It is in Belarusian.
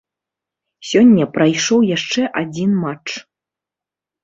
Сёння прайшоў яшчэ адзін матч.